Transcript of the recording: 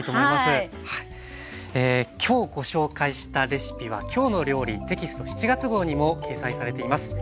今日ご紹介したレシピは「きょうの料理」テキスト７月号にも掲載されています。